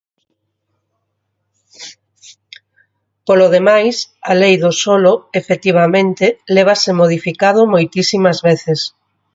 Polo demais, a Lei do solo, efectivamente, lévase modificado moitísimas veces.